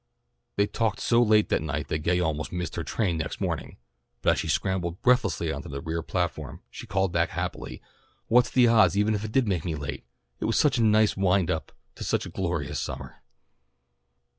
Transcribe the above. They talked so late that night that Gay almost missed her train next morning, but as she scrambled breathlessly on to the rear platform she called back happily, "What's the odds, even if it did make me late? It was such a nice wind up to such a glorious summer."